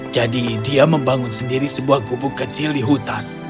jadi dia membangun sendiri sebuah kubuk kecil di hutan